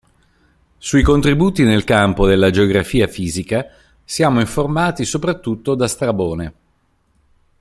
Sui contributi nel campo della geografia fisica siamo informati soprattutto da Strabone.